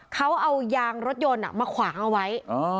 เขาเอายางรถยนต์มาขวางเอาไว้